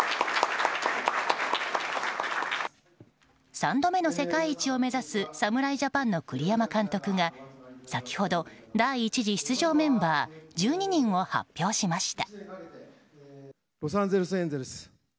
３度目の世界一を目指す侍ジャパンの栗山監督が先ほど、第１次出場メンバー１２人を発表しました。